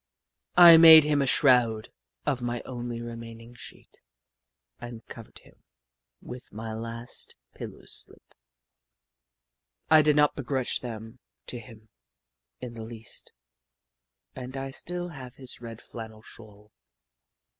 I made him a shroud of my only 2 24 The Book of Clever Beasts remaining sheet and covered him with my last pillow slip. I did not begrudge them to him in the least, and I still have his red flannel shawl.